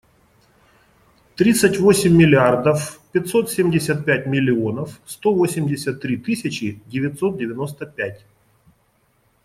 Тридцать восемь миллиардов пятьсот семьдесят пять миллионов сто восемьдесят три тысячи девятьсот девяносто пять.